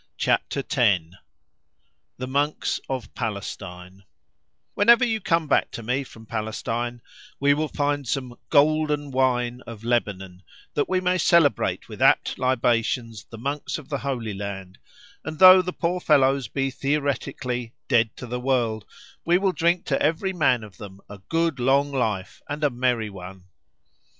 CHAPTER X—THE MONKS OF PALESTINE Whenever you come back to me from Palestine we will find some "golden wine" of Lebanon, that we may celebrate with apt libations the monks of the Holy Land, and though the poor fellows be theoretically "dead to the world," we will drink to every man of them a good long life, and a merry one!